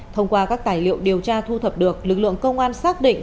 thông qua các tài liệu điều tra thu thập được lực lượng công an xác định